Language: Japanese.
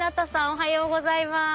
おはようございます。